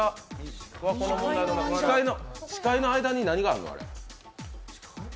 司会の間に何があるの？